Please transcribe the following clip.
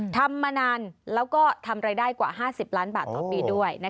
ทำมานานแล้วก็ทำรายได้กว่า๕๐ล้านบาทต่อปีด้วย